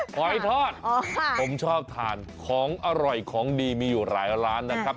หอยทอดผมชอบทานของอร่อยของดีมีอยู่หลายร้านนะครับ